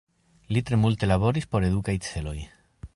Li tre multe laboris por edukaj celoj.